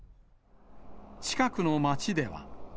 近くの町では。